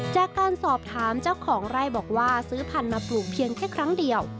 จากการสอบถามเจ้าของไร่บอกว่าซื้อพันธุ์มาปลูกเพียงแค่ครั้งเดียว